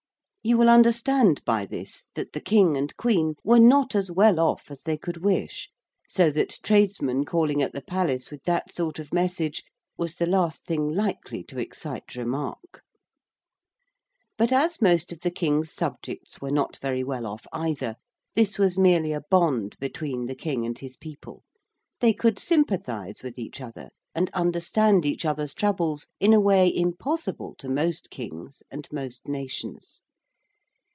You will understand by this that the King and Queen were not as well off as they could wish; so that tradesmen calling at the palace with that sort of message was the last thing likely to excite remark. But as most of the King's subjects were not very well off either, this was merely a bond between the King and his people. They could sympathise with each other, and understand each other's troubles in a way impossible to most kings and most nations.